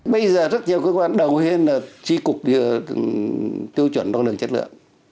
bây giờ rất nhiều cơ quan đầu tiên là tri cục tiêu chuẩn đoàn lượng chất lượng